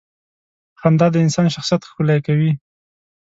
• خندا د انسان شخصیت ښکلې کوي.